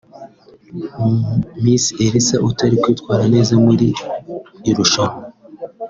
Miss Elsa utari kwitwara neza muri irushanwa